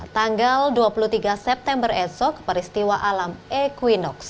tanggal dua puluh tiga september esok peristiwa alam equinox